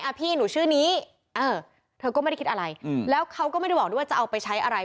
พี่หนูชื่อนี้เออเธอก็ไม่ได้คิดอะไรอืมแล้วเขาก็ไม่ได้บอกด้วยว่าจะเอาไปใช้อะไร